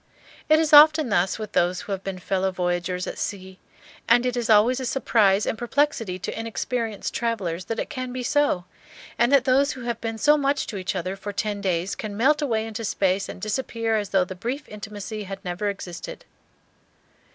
It is often thus with those who have been fellow voyagers at sea; and it is always a surprise and perplexity to inexperienced travellers that it can be so, and that those who have been so much to each other for ten days can melt away into space and disappear as though the brief intimacy had never existed.